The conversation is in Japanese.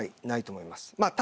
ないと思います。